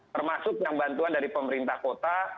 termasuk yang bantuan dari pemerintah kota